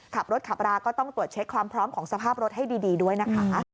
ขับรถขับราก็ต้องตรวจเช็คความพร้อมของสภาพรถให้ดีด้วยนะคะ